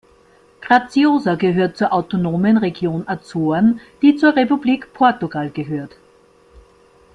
Graciosa gehört zur Autonomen Region Azoren, die zur Republik Portugal gehört.